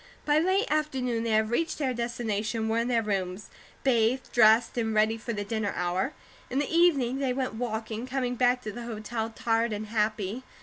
By late afternoon they had reached their destination and were in their rooms, bathed, dressed, and ready for the dinner hour. In the evening they went walking, coming back to the hotel tired and happy.